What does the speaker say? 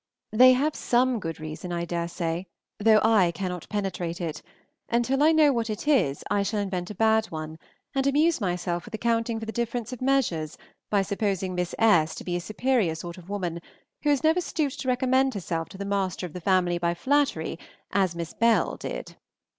They have some good reason, I dare say, though I cannot penetrate it; and till I know what it is I shall invent a bad one, and amuse myself with accounting for the difference of measures by supposing Miss S. to be a superior sort of woman, who has never stooped to recommend herself to the master of the family by flattery, as Miss Bell did.